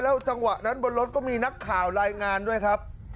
จังหวะนั้นบนรถก็มีนักข่าวรายงานด้วยครับ